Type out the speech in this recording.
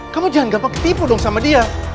kamu jangan gampang tipu dong sama dia